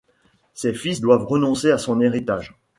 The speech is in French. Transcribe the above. Ses fils doivent renoncer à son héritage.